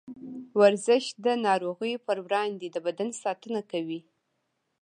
ورزش د نارغيو پر وړاندې د بدن ساتنه کوي.